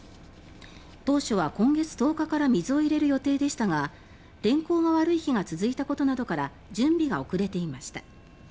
当初は今月１０日から水を入れる予定でしたが天候が悪い日が続いたことなどから準備が遅れていました。